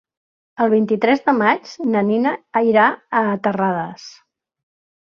El vint-i-tres de maig na Nina irà a Terrades.